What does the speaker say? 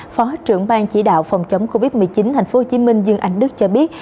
phó trưởng ban chỉ đạo phòng chống covid một mươi chín tp hcm dương anh đức cho biết